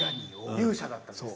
勇者だったんです。